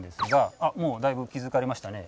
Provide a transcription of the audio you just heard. あっもうだいぶ気付かれましたね。